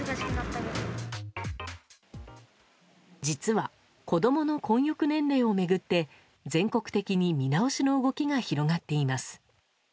実は子供の混浴年齢を巡って全国的に見直しの動きが広がっています。